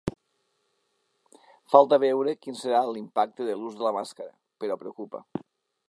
Falta veure quin serà l’impacte de l’ús de la màscara, però preocupa.